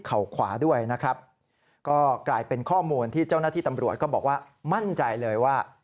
ขวาด้วยนะครับก็กลายเป็นข้อมูลที่เจ้าหน้าที่ตำรวจก็บอกว่ามั่นใจเลยว่า